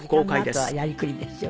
あとはやりくりですよね。